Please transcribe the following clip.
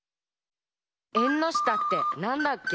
「えんのしたってなんだっけ？」